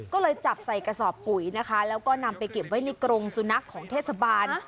ก็เลยจับใส่กระสอบปุ๋ยนะคะแล้วก็นำไปเก็บไว้ในกรงสุนัขของเทศบาล